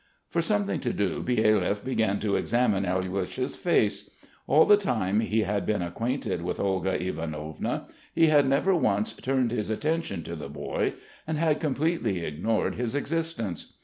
For something to do, Byelyaev began to examine Alyosha's face. All the time he had been acquainted with Olga Ivanovna he had never once turned his attention to the boy and had completely ignored his existence.